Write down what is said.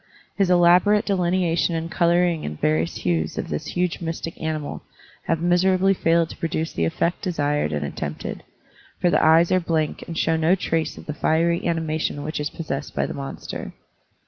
His elaborate delineation and coloring in various hues of this huge mystic animal have miserably failed to produce the effect desired and attempted, for the eyes are blank and show no trace of the fiery animation which is possessed by the monster.